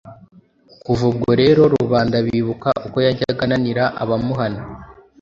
Kuva ubwo rero rubanda bibuka uko yajyaga ananira abamuhana